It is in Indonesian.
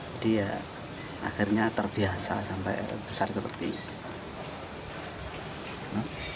jadi ya akhirnya terbiasa sampai besar seperti itu